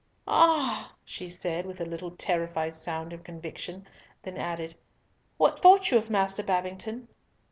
"Ah!" she said, with a little terrified sound of conviction, then added, "What thought you of Master Babington?"